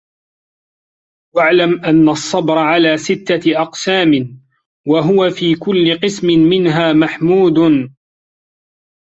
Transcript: وَاعْلَمْ أَنَّ الصَّبْرَ عَلَى سِتَّةِ أَقْسَامٍ ، وَهُوَ فِي كُلِّ قِسْمٍ مِنْهَا مَحْمُودٌ